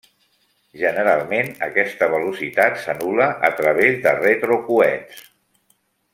Generalment aquesta velocitat s'anul·la a través de retrocoets.